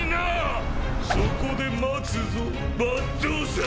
そこで待つぞ抜刀斎！